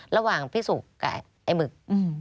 ระหว่างพี่สุกับไอ้หมึก